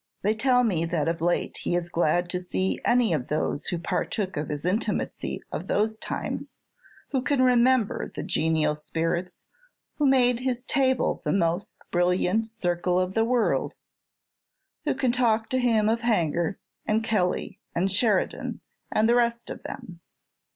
They tell me that of late he is glad to see any of those who partook of his intimacy of those times; who can remember the genial spirits who made his table the most brilliant circle of the world; who can talk to him of Hanger, and Kelly, and Sheridan, and the rest of them.